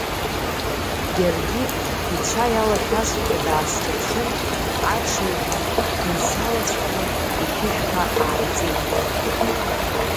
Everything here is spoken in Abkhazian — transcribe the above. Иаргьы ицәа иалашәазшәа даасҿаԥшын, аҽыҩҳәа дынсалацәҟәны, иқьышәқәа ааиҵихит.